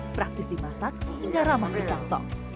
praktis dimasak hingga ramah di kantong